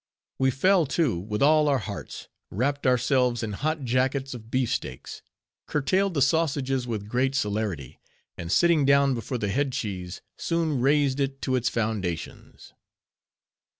We fell to with all our hearts; wrapt ourselves in hot jackets of beef steaks; curtailed the sausages with great celerity; and sitting down before the head cheese, soon razed it to its foundations.